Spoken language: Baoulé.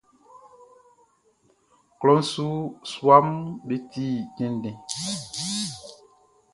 Klɔʼn su suaʼm be ti tɛnndɛn.